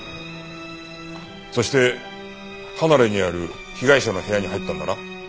そして離れにある被害者の部屋に入ったんだな？